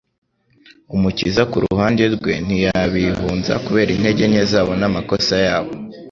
Umukiza ku ruhande rwe ntiyabihunza kubera intege nke zabo n'amakosa yabo.